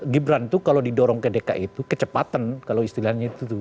gibran itu kalau didorong ke dki itu kecepatan kalau istilahnya itu tuh